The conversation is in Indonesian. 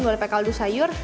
boleh pakai kaldu sayur